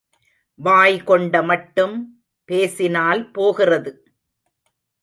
வாய் கொண்ட மட்டும் பேசினால் போகிறது.